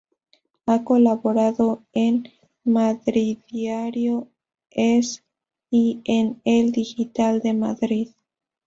Ha colaborado en Madridiario.es y en El Digital de Madrid.